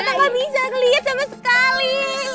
kita gak bisa ngeliat sama sekali